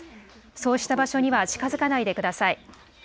そうした場所には近づかないでください。